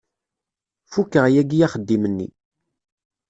Fukeɣ yagi axeddim-nni.